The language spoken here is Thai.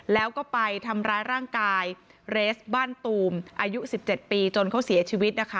แล้วก็ไปทำร้ายร่างกายเรสบ้านตูมอายุ๑๗ปีจนเขาเสียชีวิตนะคะ